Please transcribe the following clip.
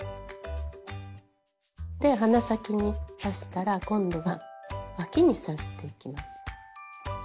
で鼻先に出したら今度はわきに刺していきます。